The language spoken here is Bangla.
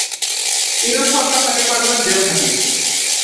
ইরান সরকার তাকে কয়েকবার জেল খাটিয়েছেন।